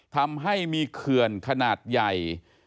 ทำให้มีเขื่อนขนาดใหญ่